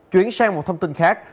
chuyển sang một thông tin khác